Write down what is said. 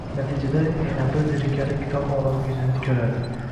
Natijada yana bir zerikarli kitob olam yuzini ko‘radi.